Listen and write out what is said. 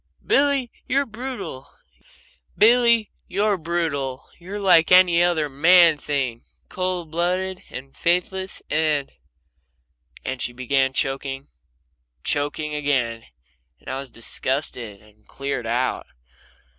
"Billy, you're brutal you're like any other man thing cold blooded and faithless and " And she began choking choking again, and I was disgusted and cleared out.